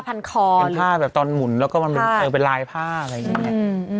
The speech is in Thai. เป็นคอเป็นผ้าแบบตอนหมุนแล้วก็มันเป็นลายผ้าอะไรอย่างนี้